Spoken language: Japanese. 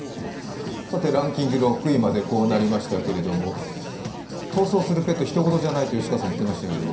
ランキング６位までこうなりましたけど、逃走するペット、ひと事じゃないと言っていましたが。